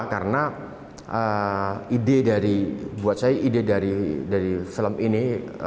karena ide dari buat saya ide dari film ini